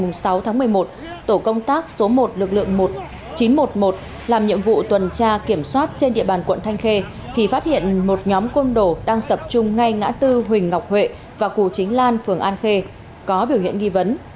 trước đó vào lúc hai mươi một h ba mươi phút ngày sáu tháng một mươi một tổ công tác số một lực lượng một nghìn chín trăm một mươi một làm nhiệm vụ tuần tra kiểm soát trên địa bàn quận thanh khê thì phát hiện một nhóm công đổ đang tập trung ngay ngã tư huỳnh ngọc huệ và củ chính lan phường an khê có biểu hiện nghi vấn